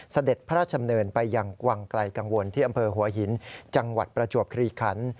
เสด็จพระราชดำเนินไปยังวังไกลกังวลที่อำเภอหัวหินจังหวัดประจวบคลีคัน